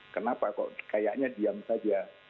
kenapa kok kayaknya diam saja